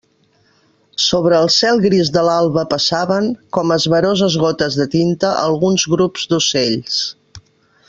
Sobre el cel gris de l'alba passaven, com esvaroses gotes de tinta, alguns grups d'ocells.